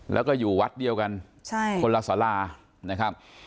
แล้วก็อยู่วัดเดียวกันคนละสารานะครับ